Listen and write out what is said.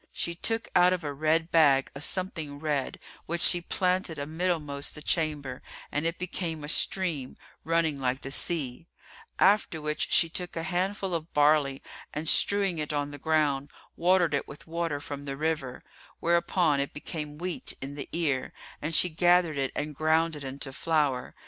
She took out of a red bag a something red, which she planted a middlemost the chamber, and it became a stream, running like the sea; after which she took a handful of barley and strewing it on the ground, watered it with water from the river; whereupon it became wheat in the ear, and she gathered it and ground it into flour.